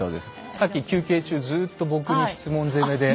さっき休憩中ずっと僕に質問攻めで。